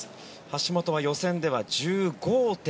橋本は予選では１５．１００。